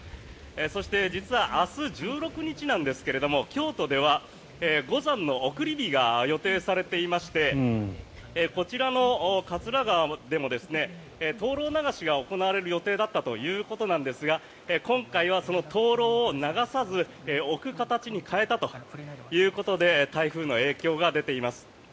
そして実は明日１６日なんですが京都では五山送り火が予定されていましてこちらの桂川でも灯ろう流しが行われる予定だったということですが今回はその灯ろうを流さず置く形に変えたということで台風の影響が出ています。